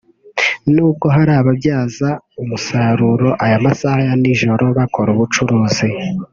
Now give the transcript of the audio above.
n’ubwo hari bamwe mu babyaza umusaruro aya masaha ya nijoro bakora ubucuruzi